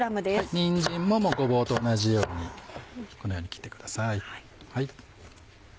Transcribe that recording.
にんじんもごぼうと同じようにこのように切ってください。